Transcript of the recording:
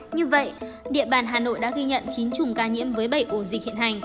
như vậy địa bàn hà nội đã ghi nhận chín chủng ca nhiễm với bảy ồ dịch hiện hành